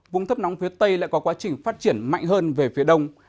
vùng thấp nóng phía tây lại có quá trình phát triển mạnh hơn về phía đông